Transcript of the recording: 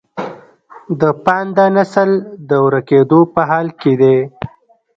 د پاندا نسل د ورکیدو په حال کې دی